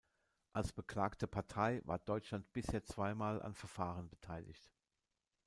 Als beklagte Partei war Deutschland bisher zweimal an Verfahren beteiligt.